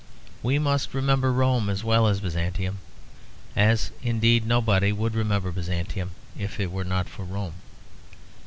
We must remember Rome as well as Byzantium; as indeed nobody would remember Byzantium if it were not for Rome.